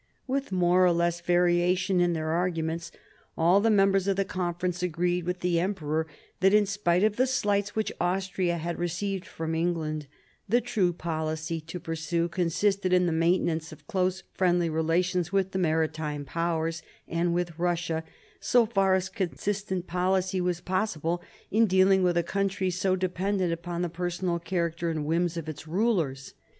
With more or less variation in their arguments, all the members of the Conference agreed with the emperor that, in spite of the slights which Austria had received from England, the true policy to pursue consisted in the maintenance of close friendly relations with the Maritime Powers, and with Eussia, so far as consistent policy was possible in dealing with a country so dependent upon the personal character and whims of its rulers.